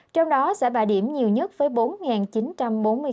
trong đó sẽ bà điểm nhiều nhất với bốn chín trăm bốn mươi ca